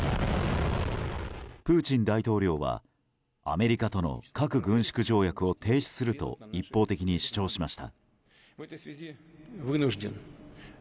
プーチン大統領はアメリカとの核軍縮条約を停止すると一方的に主張しました。